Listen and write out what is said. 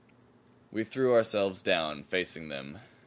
We threw ourselves down, facing them.